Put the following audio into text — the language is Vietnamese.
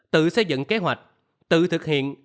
tự xây dựng kế hoạch tự thực hiện